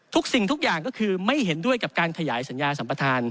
สิ่งทุกอย่างก็คือไม่เห็นด้วยกับการขยายสัญญาสัมปทาน